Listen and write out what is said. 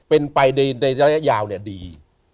เป็นไปในระยะยาวดี